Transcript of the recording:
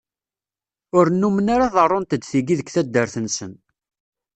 Ur nummen ara ḍerrunt-d tiki deg taddart-nsen.